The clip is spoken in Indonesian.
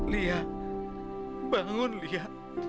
lia bangun lia